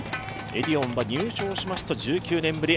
エディオンは入賞しますと１９年ぶり。